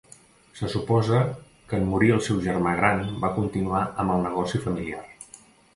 Se suposa que en morir el seu germà gran va continuar amb el negoci familiar.